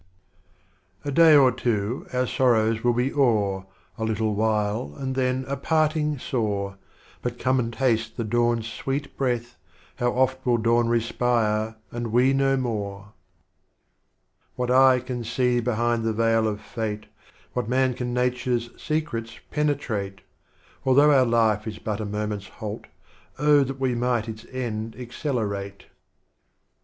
A Day or two, our sorrows will be o'er, A little while and then a Parting sore, But come and taste the Dawn's Sweet breath, How oft will Dawn respire, and We no more! What Eye can see behind the Veil of Fate? What Man can Nature's Secrets penetrate? — Although our Life is but a Moment's Halt, — Oh, that we mi^ht its End accelerate.